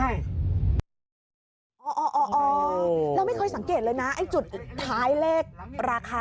เราไม่เคยสังเกตเลยนะไอ้จุดท้ายเลขราคา